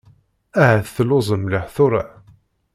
Ahat telluẓem mliḥ tura.